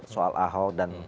soal ahok dan